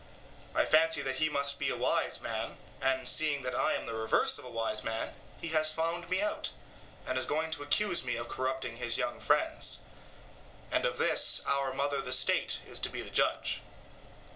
I fancy that he must be a wise man, and seeing that I am the reverse of a wise man, he has found me out, and is going to accuse me of corrupting his young friends. And of this our mother the state is to be the judge.